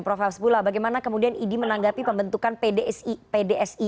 prof hasbullah bagaimana kemudian idi menanggapi pembentukan pdsi